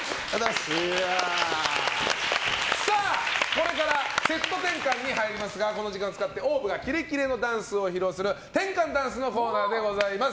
これからセット転換に入りますがこの時間を使ってＯＷＶがキレキレのダンスを披露する転換ダンスのコーナーでございます。